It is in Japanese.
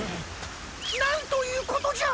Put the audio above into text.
なんということじゃ！